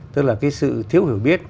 tức là cái sự thiếu hiểu biết